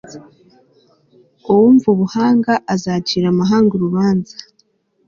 uwumva ubuhanga azacira amahanga urubanza